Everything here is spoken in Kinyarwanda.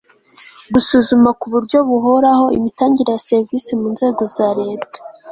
gusuzuma ku buryo buhoraho imitangire ya serivisi mu nzego za leta